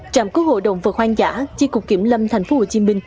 trạm cứu hội động vật hoang dã chi cục kiểm lâm tp hcm